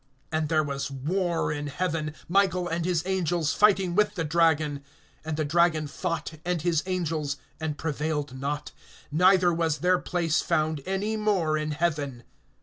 (7)And there was war in heaven, Michael and his angels fighting with the dragon. And the dragon fought, and his angels, (8)and prevailed not; neither was their place found any more in heaven.